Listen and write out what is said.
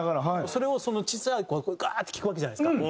それを小さい子はガーッて聴くわけじゃないですか。